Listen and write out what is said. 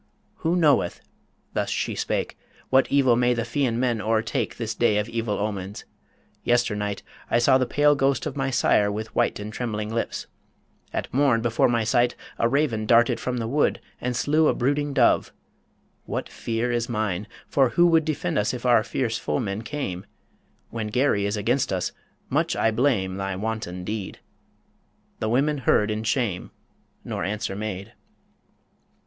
"Who knoweth," thus she spake, "What evil may the Fian men o'ertake This day of evil omens. Yester night I say the pale ghost of my sire with white And trembling lips ... At morn before my sight A raven darted from the wood, and slew A brooding dove ... What fear is mine!... for who Would us defend if our fierce foemen came When Garry is against us ... Much I blame Thy wanton deed." ... The women heard in shame, Nor answer made.